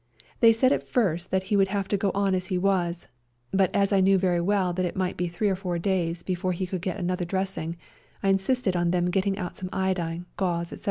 They said at first that he would have to go on as he was, but as I knew very well that it might be three or four days before he would get another dressing I insisted on them getting out some iodine, gauze, etc.